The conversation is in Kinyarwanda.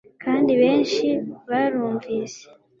kandi benshi barumvise